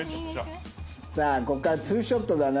さあここからツーショットだな。